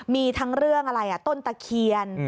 มีทั้งเรื่องอะไรต้นตะเคียน